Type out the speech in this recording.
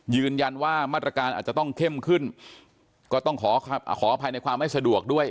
ยืนยันว่ามาตรการอาจจะต้องเข้มขึ้นก็ต้องขอขออภัยในความไม่สะดวกด้วย